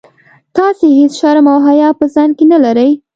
تاسي هیڅ شرم او حیا په ځان کي نه لرئ.